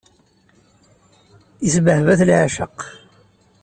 Isbehba-t leεceq.